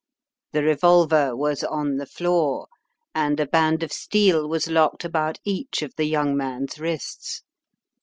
The revolver was on the floor and a band of steel was locked about each of the young man's wrists.